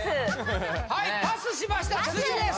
はいパスしました次です